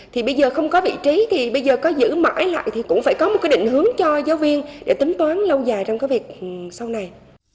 thì bây giờ không có vị trí thì bây giờ có giữ mãi lại thì cũng phải có một cái định hướng cho giáo viên để tính toán lâu dài trong cái việc sau này